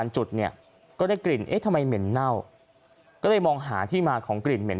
จุดเนี่ยก็ได้กลิ่นเอ๊ะทำไมเหม็นเน่าก็เลยมองหาที่มาของกลิ่นเหม็น